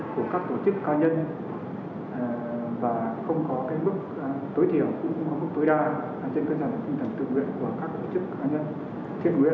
của các tổ chức ca nhân và không có cái mức tối thiểu cũng không có mức tối đa